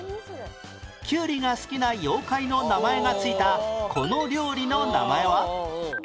キュウリが好きな妖怪の名前が付いたこの料理の名前は？